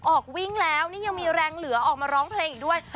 ออกวิ่งแล้วนี่ยังมีแรงเหลือออกมาร้องเพลงอีกด้วย